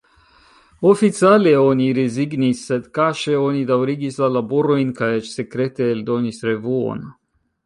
Oficiale, oni rezignis, sed kaŝe oni daŭrigis la laborojn kaj eĉ sekrete eldonis revuon.